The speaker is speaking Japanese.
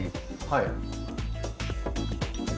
はい。